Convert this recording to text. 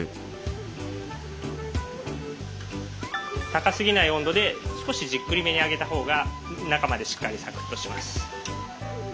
高すぎない温度で少しじっくりめに揚げた方が中までしっかりサクッとします。